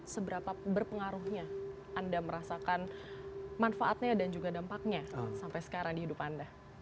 seberapa berpengaruhnya anda merasakan manfaatnya dan juga dampaknya sampai sekarang di hidup anda